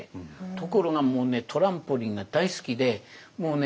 ところがもうねトランポリンが大好きでもうね